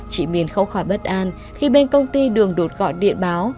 chị miền khâu khóa bất an khi bên công ty đường đột gọi điện báo